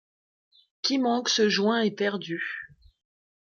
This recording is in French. Qui manque ce joint est perdu.